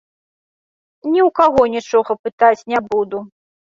Ні ў каго нічога пытаць не буду.